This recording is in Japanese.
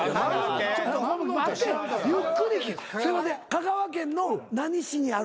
香川県の何市にある？